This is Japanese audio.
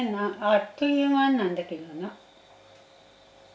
あっという間なんだけどな。